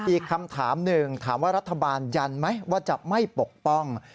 อีกคำถามหนึ่งถามว่ารัฐบาลยันไหมว่าจะไม่ปกป้อง